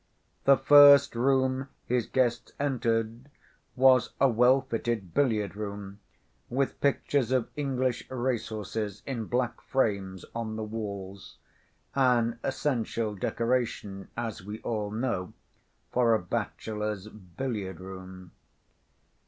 The first room his guests entered was a well‐fitted billiard‐room, with pictures of English race‐horses, in black frames on the walls, an essential decoration, as we all know, for a bachelor's billiard‐room.